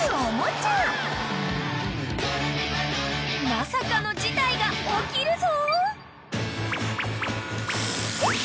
［まさかの事態が起きるぞ］